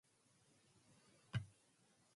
Each vehicle is timed through circuits of the track.